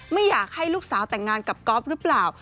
ไม่อยากให้ลูกสาวแต่งงานกับก๊อฟหรือเปล่า